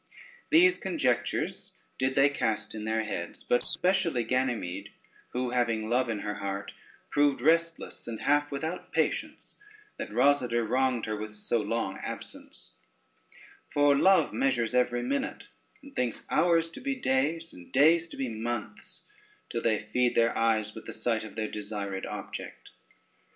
These conjectures did they cast in their heads, but specially Ganymede, who, having love in her heart, proved restless, and half without patience, that Rosader wronged her with so long absence; for Love measures every minute, and thinks hours to be days, and days to be months, till they feed their eyes with the sight of their desired object.